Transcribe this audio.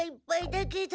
だけど？